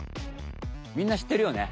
みんなしってるよね？